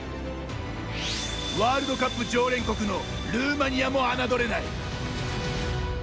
ワールドカップ常連国のルーマニアも侮れない。